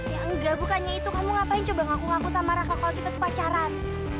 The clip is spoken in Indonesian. ya enggak bukannya itu kamu ngapain coba ngaku ngaku sama raka kalau kita kepacaran